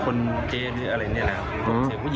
ผมเจอกับผู้หญิงนี่แหละผมก็เลยถอย